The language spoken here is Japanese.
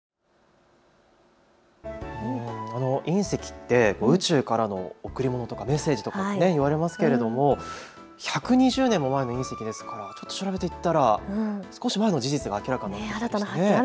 隕石って宇宙からの贈り物とかメッセージとか言われますが１２０年も前の隕石ですから調べていったら少し前の事実が明らかになっていったんですね。